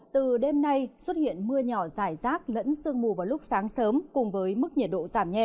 từ đêm nay xuất hiện mưa nhỏ dài rác lẫn sương mù vào lúc sáng sớm cùng với mức nhiệt độ giảm nhẹ